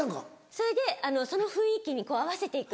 それでその雰囲気に合わせて行くっていう。